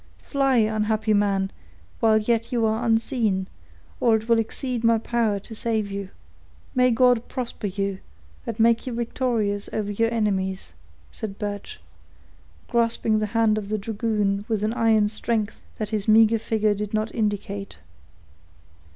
Fly, unhappy man, while yet you are unseen, or it will exceed my power to save you." "May God prosper you, and make you victorious over your enemies," said Birch, grasping the hand of the dragoon with an iron strength that his meager figure did not indicate.